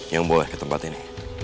yang boleh ke tempat ini